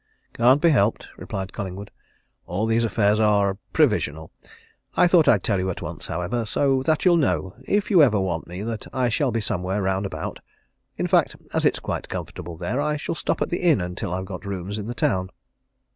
"Can't be helped," replied Collingwood. "All these affairs are provisional. I thought I'd tell you at once, however so that you'll know if you ever want me that I shall be somewhere round about. In fact, as it's quite comfortable there, I shall stop at the inn until I've got rooms in the town."